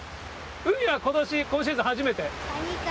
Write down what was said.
海はことし、今シーズン初めて？